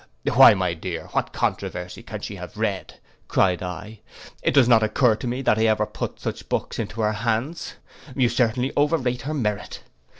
'Why, my dear, what controversy can she have read?' cried I. 'It does not occur to me that I ever put such books into her hands: you certainly over rate her merit.